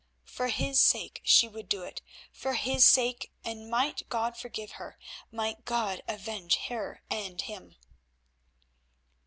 For his sake she would do it, for his sake and might God forgive her! Might God avenge her and him!